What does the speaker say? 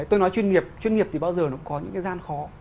tôi nói chuyên nghiệp chuyên nghiệp thì bao giờ nó cũng có những cái gian khó